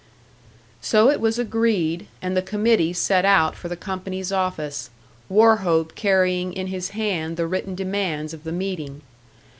So it was agreed, and the committee set out for the company's office, Wauchope carrying in his hand the written demands of the meeting.